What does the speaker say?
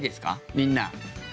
みんな。